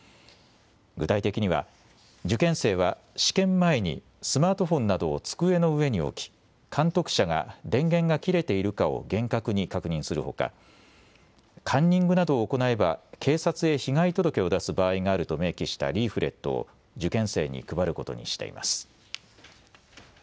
具体的には受験生は試験前にスマートフォンなどを机の上に置き監督者が電源が切れているかを厳格に確認するほかカンニングなどを行えば警察へ被害届を出す場合があると明記したリーフレットを受験生に配ることにしています。